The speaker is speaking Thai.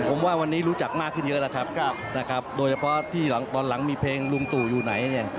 ผมว่าวันนี้รู้จักมากขึ้นเยอะแล้วครับนะครับโดยเฉพาะที่ตอนหลังมีเพลงลุงตู่อยู่ไหนเนี่ย